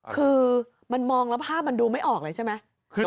คือมันมองแล้วภาพมันดูไม่ออกเลยใช่ไหม